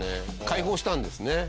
解放したんですね。